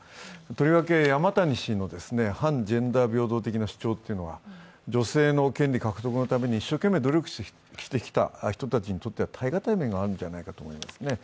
とりわけ山谷氏の反ジェンダー的な主張というのは、女性の権利獲得のために一生懸命努力してきた人にとっては耐えがたい面があるんじゃないかと思いますね。